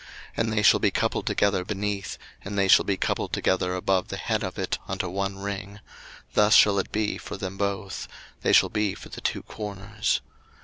02:026:024 And they shall be coupled together beneath, and they shall be coupled together above the head of it unto one ring: thus shall it be for them both; they shall be for the two corners.